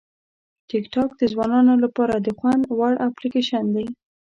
ټیکټاک د ځوانانو لپاره د خوند وړ اپلیکیشن دی.